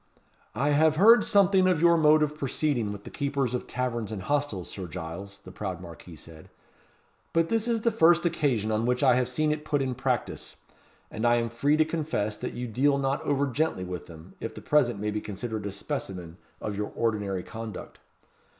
"I have heard something of your mode of proceeding with the keepers of taverns and hostels, Sir Giles," the proud marquis said; "but this is the first occasion on which I have seen it put in practice, and I am free to confess that you deal not over gently with them, if the present may be considered a specimen of your ordinary conduct.